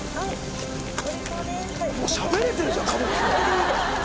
もうしゃべれてるじゃん。